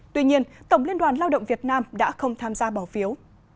tuy nhiên tổng liên đoàn lao động việt nam đã không tham gia bỏ phiếu